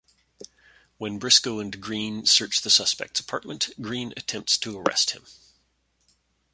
When Briscoe and Green search the suspect's apartment, Green attempts to arrest him.